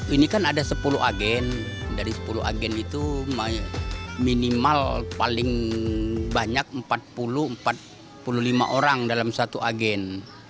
ini kan ada sepuluh agen dari sepuluh agen itu minimal paling banyak empat puluh empat puluh lima orang dalam satu agen